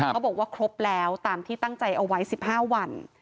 เขาบอกว่าครบแล้วตามที่ตั้งใจเอาไว้๑๕วัน